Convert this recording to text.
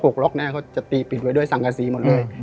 หกล็อกเนี้ยเขาจะตีปิดไว้ด้วยสังกษีหมดเลยอืม